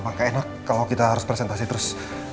maka enak kalau kita harus presentasi terus